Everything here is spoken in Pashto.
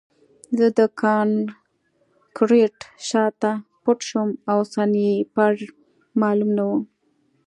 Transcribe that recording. زه د کانکریټ شاته پټ شوم او سنایپر معلوم نه و